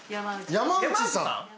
山内さん？